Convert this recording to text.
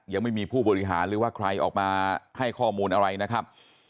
ยังไม่มีผู้บริหารหรือว่าใครออกมาให้ข้อมูลอะไรนะครับ